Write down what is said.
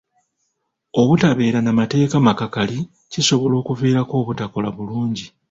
Obutabeera na mateeka makakali kisobola okuviirako obutakola bulungi.